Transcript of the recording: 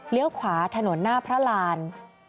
เรียวขวาถนนหน้าพระราน